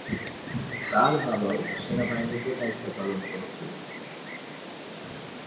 তাঁর বাবাও সেনাবাহিনীতে দায়িত্ব পালন করেছিলেন।